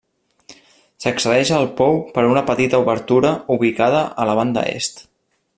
S'accedeix al pou per una petita obertura ubicada a la banda est.